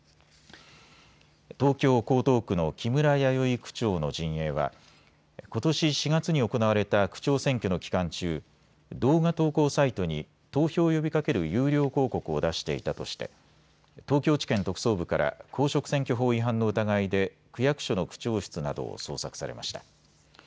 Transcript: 東京江東区の木村弥生区長の陣営はことし４月に行われた区長選挙の期間中、動画投稿サイトに投票を呼びかける有料広告を出していたとして東京地検特捜部から公職選挙法違反の疑いで区役所の区長室などを捜索されました。